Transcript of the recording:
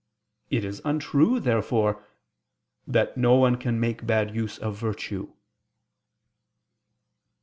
It is untrue, therefore, "that no one can make bad use of virtue."